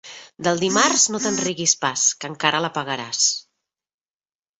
Del dimarts no te'n riguis pas, que encara la pagaràs.